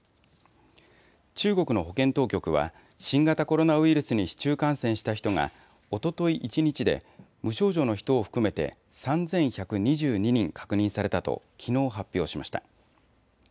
中国の保健当局は新型コロナウイルスに市中感染した人がおととい一日で無症状の人を含めて３１２２人確認されたときのう発表しました。